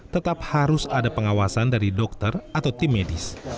tetap harus ada pengawasan dari dokter atau tim medis